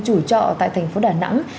chủ trọ tại thành phố đà nẵng